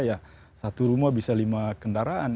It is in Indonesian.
ya satu rumah bisa lima kendaraan